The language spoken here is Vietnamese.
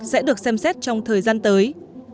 sẽ được xem xét trong thời gian tới